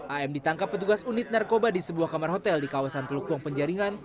am ditangkap petugas unit narkoba di sebuah kamar hotel di kawasan teluk wong penjaringan